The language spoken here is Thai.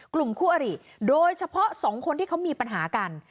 กลุ่มคู่อริโดยเฉพาะสองคนที่เขามีปัญหากัน